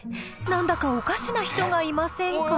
何だかおかしな人がいませんか？